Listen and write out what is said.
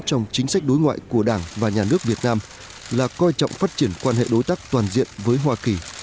trong chính sách đối ngoại của đảng và nhà nước việt nam là coi trọng phát triển quan hệ đối tác toàn diện với hoa kỳ